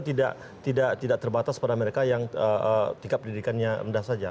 tidak terbatas pada mereka yang tingkat pendidikannya rendah saja